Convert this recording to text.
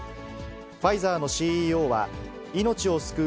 ファイザーのＣＥＯは、命を救う